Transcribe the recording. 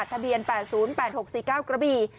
ทะเบียน๘๐๘๖๔๙กระบี่